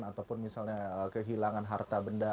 ataupun misalnya kehilangan harta benda